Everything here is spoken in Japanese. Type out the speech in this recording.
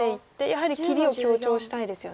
やはり切りを強調したいですよね。